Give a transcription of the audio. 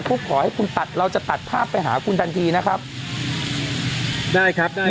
ทางกลุ่มมวลชนทะลุฟ้าทางกลุ่มมวลชนทะลุฟ้า